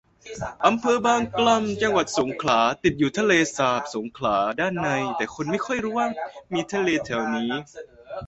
อำเภอบางกล่ำ จังหวัดสงขลา อยู่ติดทะเลสาบสงขลาด้านใน แต่คนไม่ค่อยรู้ว่ามีทะเลแถวนี้